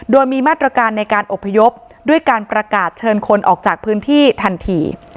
โดยมีมาตรการในการอบพยพด้วยการประกาศเชิญคนออกจากพื้นที่ทันที